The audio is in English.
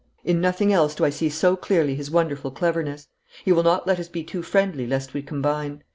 In nothing else do I see so clearly his wonderful cleverness. He will not let us be too friendly lest we combine.